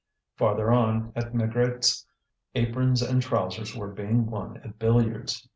Farther on, at Maigrat's, aprons and trousers were being won at billiards.